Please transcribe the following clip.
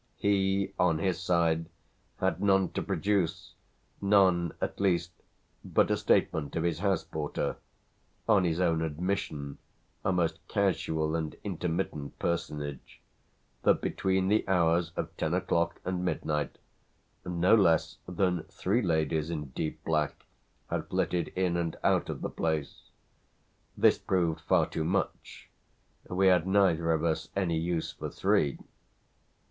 He, on his side, had none to produce, none at least but a statement of his house porter on his own admission a most casual and intermittent personage that between the hours of ten o'clock and midnight no less than three ladies in deep black had flitted in and out of the place. This proved far too much; we had neither of us any use for three.